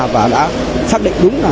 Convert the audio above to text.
và đã xác định đúng là